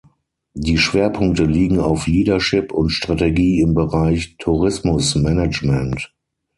Die Schwerpunkte liegen auf Leadership und Strategie im Bereich Tourismusmanagement.